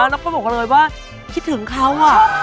แล้วก็บอกเลยว่าคิดถึงเขา